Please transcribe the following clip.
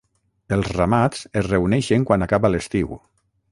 Els ramats es reuneixen quan acaba l'estiu.